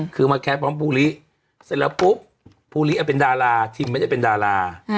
คือมาแคทพร้อมภูริเสร็จแล้วปุ๊บภูริเป็นดาราทิมไม่ได้เป็นดารา